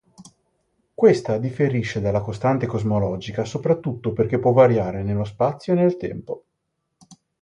Questa differisce dalla costante cosmologica soprattutto perché può variare nello spazio e nel tempo.